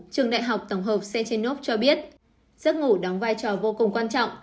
trường đại học tổng hợp sechenov cho biết giấc ngủ đóng vai trò vô cùng quan trọng